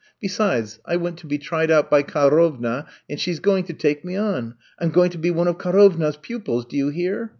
Besides I went to be tried out by Ka rovna, and she 's going to take me on. I 'm going to be one of Karovna 's pupils, do you hear?